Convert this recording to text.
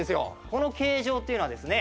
この形状というのはですね